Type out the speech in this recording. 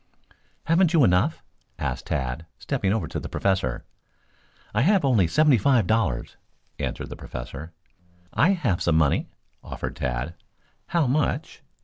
"Haven't you enough?" asked Tad, stepping over to the Professor. "I have only seventy five dollars," answered the Professor. "I have some money," offered Tad. "How much?"